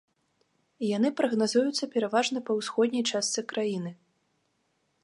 Яны прагназуюцца пераважна па ўсходняй частцы краіны.